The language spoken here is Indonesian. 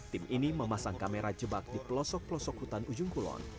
tim ini memasang kamera jebak di pelosok pelosok hutan ujung kulon